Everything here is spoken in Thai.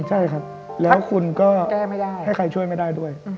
ใช่ครับแล้วคุณก็ให้ใครช่วยไม่ได้ด้วย